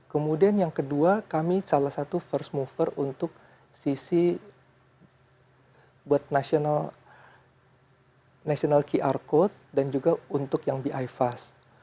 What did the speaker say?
kemudian yang kedua kami salah satu first mover untuk sisi buat national national qr code dan juga untuk yang bi fast